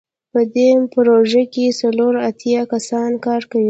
په دې پروژه کې څلور اتیا کسان کار کوي.